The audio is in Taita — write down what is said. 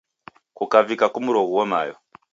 Kukavika kumroghuo mayo.